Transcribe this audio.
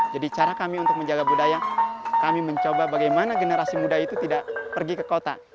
jadi cara kami untuk menjaga budaya kami mencoba bagaimana generasi muda itu tidak pergi ke kota